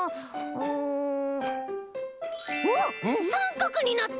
うわっさんかくになった！